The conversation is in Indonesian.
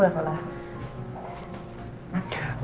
udah apa lah